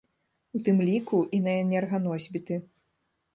У тым ліку і на энерганосьбіты.